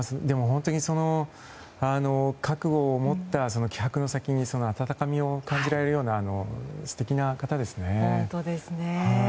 本当に覚悟を持った気迫の先に温かみを感じられるような素敵な方ですね。